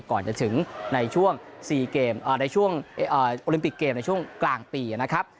ก่อนจะถึงโอลิมปิกเกมในช่วงกลางปีนะครับ